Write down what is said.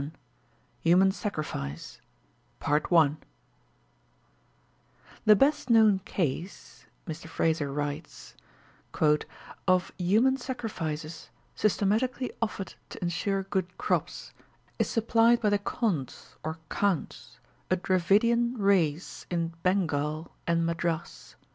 VII HUMAN SACRIFICE "The best known case," Mr Frazer writes, "of human sacrifices systematically offered to ensure good crops, is supplied by the Khonds or Kandhs, a Dravidian race in Bengal and Madras.